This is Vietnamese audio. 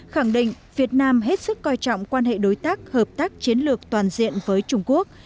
khẳng định việt nam hết sức coi trọng quan hệ đối tác hợp tác chiến lược toàn diện với trung quốc